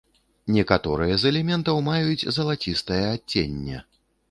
Некаторыя з элементаў маюць залацістае адценне.